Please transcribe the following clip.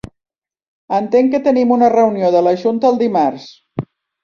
Entenc que tenim una reunió de la junta el dimarts